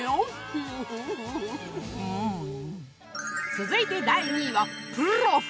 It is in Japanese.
続いて第２位は「プロフ」！